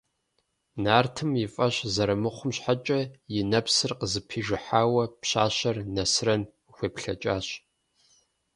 Нартым и фӀэщ зэрымыхъум щхьэкӀэ и нэпсыр къызэпижыхьауэ пщащэр Нэсрэн къыхуеплъэкӀащ.